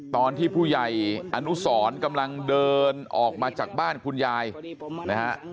ตอนที่ผู้ใหญ่อนุสรกำลังเดินออกมาจากบ้านคุณยายนะฮะ